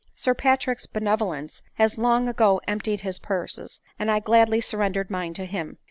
Sir Patrick's^ benevolence has long ago emptied his purse, and I gladly surrendered mine to him."